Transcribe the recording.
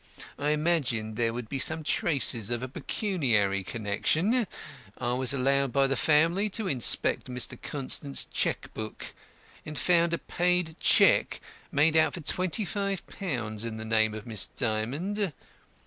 I imagined there would be some traces of a pecuniary connection. I was allowed by the family to inspect Mr. Constant's cheque book, and found a paid cheque made out for £25 in the name of Miss Dymond.